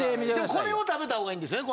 これを食べたほうがいいんですね。